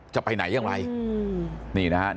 จะไปไหน